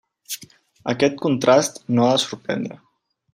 Aquest contrast no ha de sorprendre.